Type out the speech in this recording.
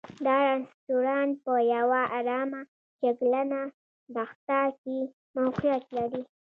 دا رسټورانټ په یوه ارامه شګلنه دښته کې موقعیت لري.